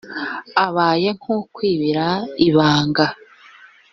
abaye nk ukwibira ibanga.